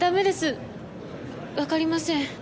分かりません。